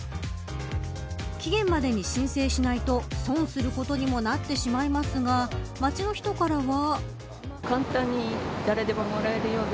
期限までに申請しないと損をすることにもなってしまいますが街の人からは。